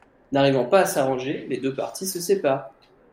N'arrivant pas à s'arranger, les deux parties se séparent.